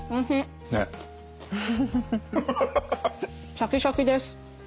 シャキシャキです。